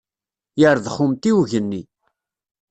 Yerdex umtiweg-nni.